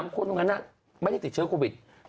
คนตรงนั้นไม่ได้ติดเชื้อโควิด